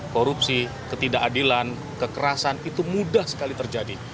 korupsi ketidakadilan kekerasan itu mudah sekali terjadi